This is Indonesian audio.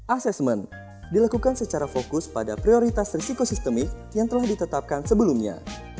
asesmen dilakukan secara fokus pada prioritas risiko sistemik yang telah ditetapkan sebelumnya